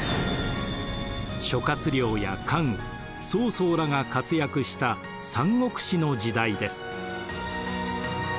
諸亮や関羽曹操らが活躍した「三国志」の時代です。